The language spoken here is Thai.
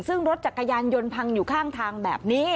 ซึ่งรถจักรยานยนต์พังอยู่ข้างทางแบบนี้